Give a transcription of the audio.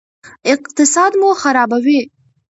اقتصاد مو خرابوي.